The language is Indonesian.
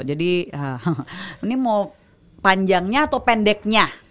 jadi ini mau panjangnya atau pendeknya